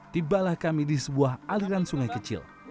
tibalah kami di sebuah aliran sungai kecil